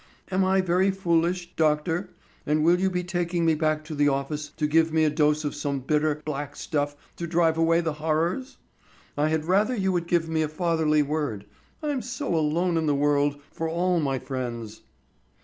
Am I very foolish, doctor, and will you be taking me back to the office to give me a dose of some bitter, black stuff to drive away the horrors? I had rather you would give me a fatherly word. I'm so alone in the world, for all my friends."